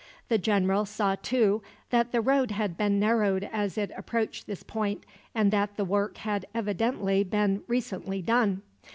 The general saw, too, that the road had been narrowed as it approached this point, and that the work had evidently been recently done.